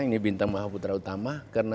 ini bintang maha putra utama karena